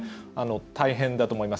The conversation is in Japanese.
大変だと思います。